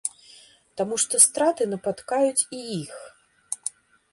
Таму што страты напаткаюць і іх.